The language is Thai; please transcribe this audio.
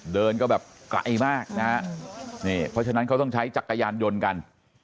เดินก็แบบไกลมากนะฮะนี่เพราะฉะนั้นเขาต้องใช้จักรยานยนต์กัน